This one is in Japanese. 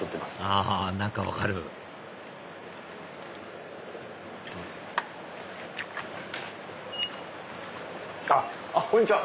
あ何か分かるこんにちは。